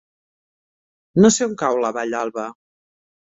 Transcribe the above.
No sé on cau la Vall d'Alba.